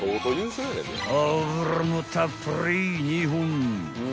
［油もたっぷり２本］